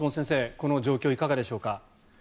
この状況はいかがでしょうか。